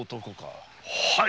はい。